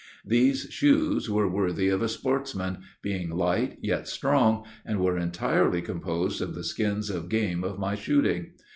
These shoes were worthy of a sportsman, being light, yet strong, and were entirely composed of the skins of game of my shooting.